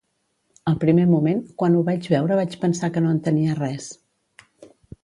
Al primer moment, quan ho vaig veure vaig pensar que no entenia res.